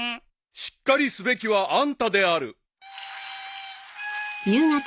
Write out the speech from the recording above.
［しっかりすべきはあんたである］